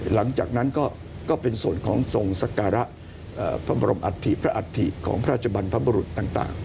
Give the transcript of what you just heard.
หลังจากนั้นก็เป็นส่วนของทรงสการะพระบรมอัฐิพระอัฐิของพระราชบรรพบรุษต่าง